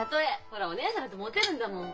ほらお義姉さんだってモテるんだもん。